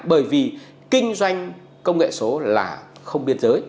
bởi vì kinh doanh công nghệ số là không biên giới